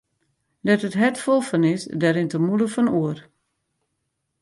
Dêr't it hert fol fan is, dêr rint de mûle fan oer.